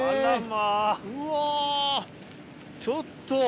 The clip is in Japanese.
うわちょっと。